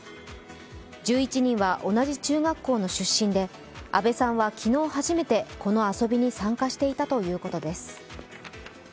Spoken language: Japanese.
１１人は同じ中学校の出身で阿部さんは昨日初めてこの遊びに参加していたということです。